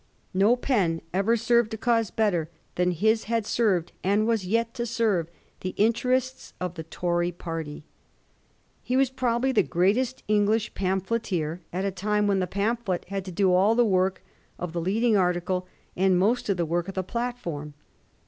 No pen ever served a cause better than his had served, and was yet to serve, the inter ests of the Tory party. He was probably the greatest English pamphleteer at a time when the pamphlet had to do all the work of the leading article and most of the work of the platform.